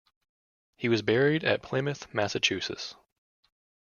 He was buried at Plymouth, Massachusetts.